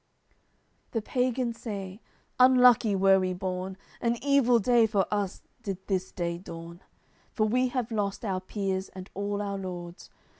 CLX The pagans say: "Unlucky were we born! An evil day for us did this day dawn! For we have lost our peers and all our lords.